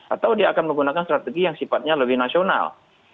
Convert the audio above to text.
atau dia akan menggunakan strategi yang sifatnya lebih nasional